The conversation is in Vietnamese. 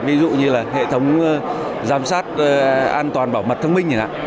ví dụ như hệ thống giám sát an toàn bảo mật thông minh